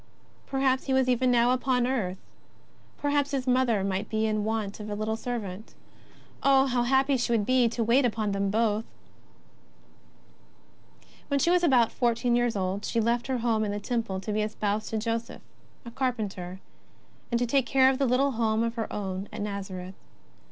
Perhaps He was even now upon earth. Perhaps Plis Mother might be in want of a little servant. Oh, how happy she would be to wait upon them both ! When she was about fourteen years old, she left her home in the Temple to be espoused to Joseph, a car penter, and to take care of a little home of her own at Nazareth.